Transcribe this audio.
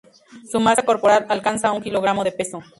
Su masa corporal alcanza un kilogramo de peso.